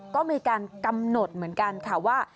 ก็มีการกำหนดเหมือนกันค่ะว่า